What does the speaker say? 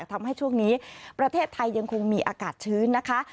ทำให้ช่วงนี้ประเทศไทยยังคงมีอากาศชื้นนะคะ